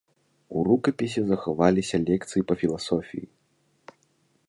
У рукапісе захаваліся лекцыі па філасофіі.